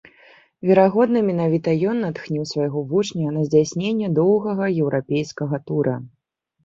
Верагодна, менавіта ён натхніў свайго вучня на здзяйсненне доўгага еўрапейскага тура.